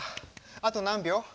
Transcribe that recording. あと何秒？